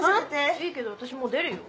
いいけど私もう出るよ。